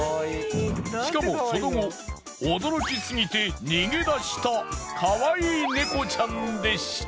しかもその後驚きすぎて逃げ出したかわいいネコちゃんでした。